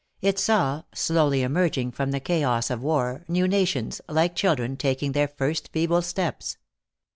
It saw, slowly emerging from the chaos of war, new nations, like children, taking their first feeble steps.